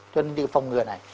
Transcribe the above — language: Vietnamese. cho nên cái phòng ngừa này